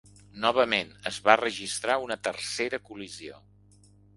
Novament, es va registrar una tercera col·lisió.